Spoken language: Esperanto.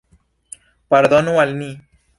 Pardonu al ni!